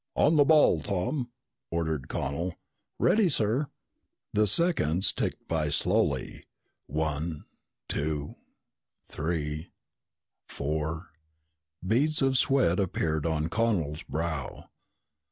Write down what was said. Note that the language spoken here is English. "On the ball, Tom!" ordered Connel. "Ready, sir." The seconds ticked by slowly. One two three four Beads of sweat appeared on Connel's brow.